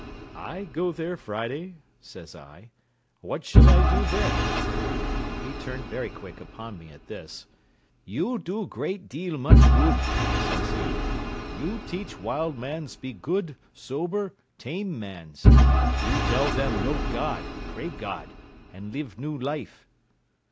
"I go there, Friday?" says I; "what shall I do there?" He turned very quick upon me at this. "You do great deal much good," says he; "you teach wild mans be good, sober, tame mans; you tell them know God, pray God, and live new life."